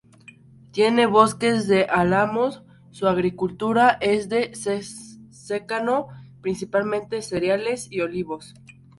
Tiene bosques de álamos, su agricultura es de secano, principalmente cereales y olivos.